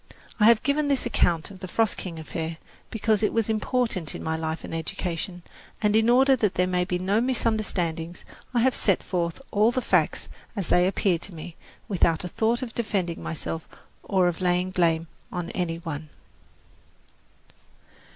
I have given this account of the "Frost King" affair because it was important in my life and education; and, in order that there might be no misunderstanding, I have set forth all the facts as they appear to me, without a thought of defending myself or of laying blame on any one.